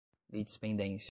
litispendência